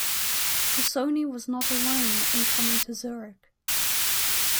Busoni was not alone in coming to Zurich.